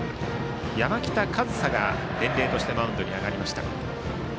山北一颯が伝令としてマウンドに向かいました。